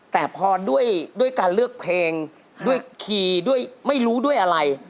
แต่พอด้วยการเลือกเพลงด้วยคีย์ด้วยไม่รู้ด้วยอะไร